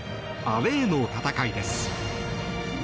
アウェーの戦いです。